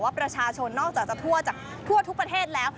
ประชาชนนอกจากจะทั่วทุกประเทศแล้ว